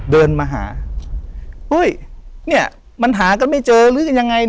เดินมาหาเฮ้ยเนี่ยมันหากันไม่เจอหรือกันยังไง